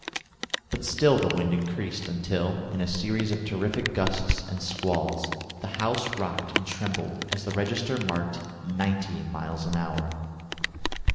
But still the wind increased until, in a series of terrific gusts and squalls, the house rocked and trembled as the register marked ninety miles an hour.